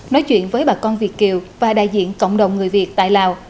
nói chuyện với bà con việt kiều và đại diện cộng đồng người việt tại lào